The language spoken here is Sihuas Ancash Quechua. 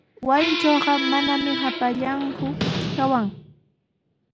Wasiitrawqa manami hapallaaku kawaa.